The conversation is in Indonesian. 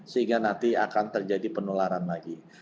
sehingga nanti akan terjadi penularan lagi